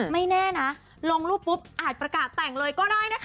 ไม่แน่นะลงรูปปุ๊บอาจประกาศแต่งเลยก็ได้นะคะ